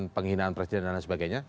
penyelidikan dan sebagainya